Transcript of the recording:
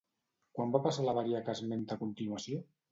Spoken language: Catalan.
Quan va passar l'avaria que esmenta a continuació?